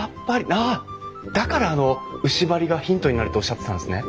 ああだからあの牛梁がヒントになるとおっしゃってたんですね。